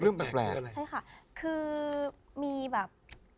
เรื่องแปลกคืออะไรใช่ค่ะคือมีแบบ